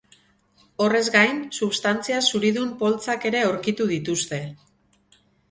Horrez gain, substantzia zuridun poltsak ere aurkitu dituzte.